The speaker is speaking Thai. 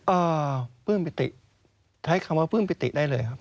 อ่าพื้นปิติใช้คำว่าพื้นปิติได้เลยครับ